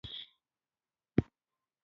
فارغان کولای شي اوه مسلکي لارې تعقیب کړي.